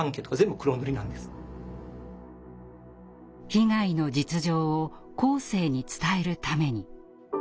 被害の実情を後世に伝えるために。